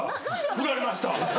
「ふられました」。